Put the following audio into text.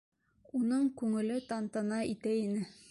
Уның күңеле тантана итә ине.